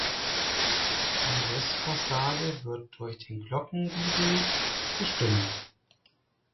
Die Westfassade wird durch den Glockengiebel bestimmt.